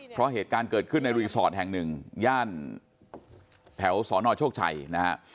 เพราะเหตุการณ์เกิดขึ้นในรีสอร์ทแห่งหนึ่งย่านแถวสนโชคชัยนะฮะ